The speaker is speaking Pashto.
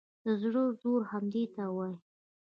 د زړه زور همدې ته وایي.